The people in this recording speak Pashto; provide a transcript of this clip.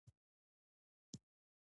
پکښې نغښتی وی، او د شاعر د نفس د روحي